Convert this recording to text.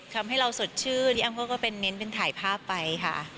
ทำให้เราสดชื่นอัมก็เป็นเน้นเป็นถ่ายภาพไปค่ะ